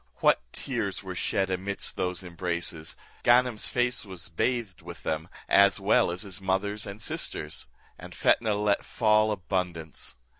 What tears were shed amidst those embraces! Ganem's face was bathed with them, as well as his mother's and sisters; and Fetnah let fall abundance.